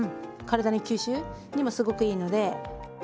体に吸収にもすごくいいので。